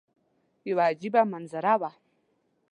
یوه عجیبه منظره وه.